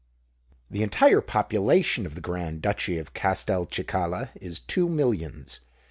The entire population of the Grand Duchy of Castelcicala is two millions.